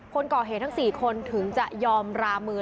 คนก่อเหตุทั้ง๔คนถึงจะยอมรามือ